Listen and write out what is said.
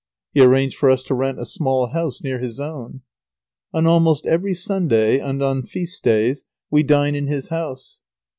He arranged for us to rent a small house near his own. On almost every Sunday and on feast days we dine in his house.